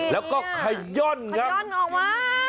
แล้วก็ขย่อนครับย่อนออกมา